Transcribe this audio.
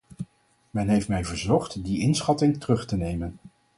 Men heeft mij verzocht die inschatting terug te nemen.